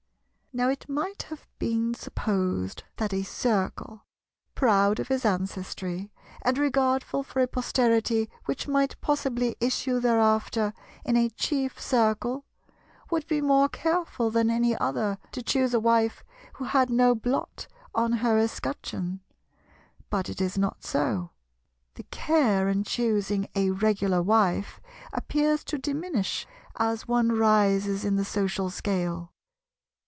Now it might have been supposed the a Circle—proud of his ancestry and regardful for a posterity which might possibly issue hereafter in a Chief Circle—would be more careful than any other to choose a wife who had no blot on her escutcheon. But it is not so. The care in choosing a Regular wife appears to diminish as one rises in the social scale.